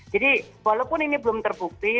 jadi walaupun ini belum terbukti